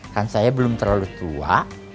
kan saya belum terlalu tua